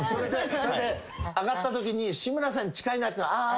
それで上がったときに志村さんに近いなってのは「あ」